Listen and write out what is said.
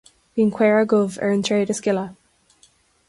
Bíonn caora dhubh ar an tréad is gile